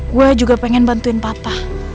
gue juga pengen bantuin papa